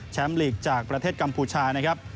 ลีกจากประเทศกัมพูชานะครับ